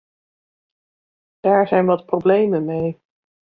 Daar zijn wat problemen mee.